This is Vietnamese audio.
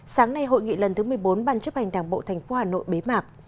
sáng nay hội nghị lần thứ một mươi bốn ban chấp hành đảng bộ tp hà nội bế mạc